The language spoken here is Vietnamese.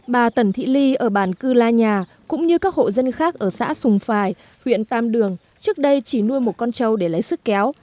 bà tần thị ly ở bản cư la nhà cũng như các hộ dân khác ở xã sùng phài huyện tam đường trước đây chỉ nuôi một con trâu để lấy sức kéo